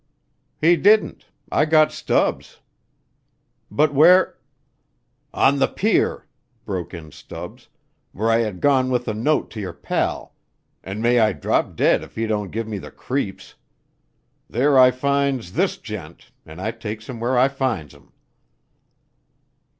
"He didn't I got Stubbs." "But where " "On the pier," broke in Stubbs, "where I had gone with the note to your pal an' may I drop dead if he don't give me the creeps. There I finds this gent an' I takes 'em where I finds 'em."